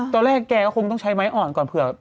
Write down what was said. แกก็คงต้องใช้ไม้อ่อนก่อนเผื่อ